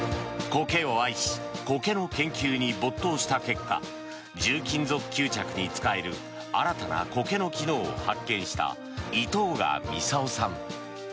コケを愛しコケの研究に没頭した結果重金属吸着に使える新たなコケの機能を発見した井藤賀操さん。